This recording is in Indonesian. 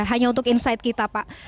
hanya untuk insight kita pak